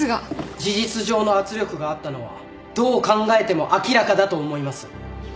事実上の圧力があったのはどう考えても明らかだと思います。